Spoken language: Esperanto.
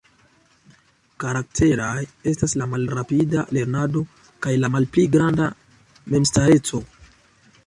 Karakteraj estas la malrapida lernado, kaj la malpli granda memstareco.